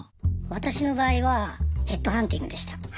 私の場合はヘッドハンティングでした。